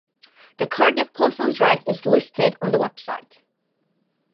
The Cardiff postal address is listed on the website.